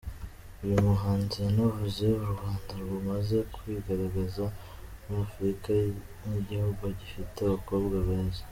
Uyu muhanzi yanavuze u Rwanda rumaze kwigaragaza muri Afurika nk’igihugu gifite abakobwa beza.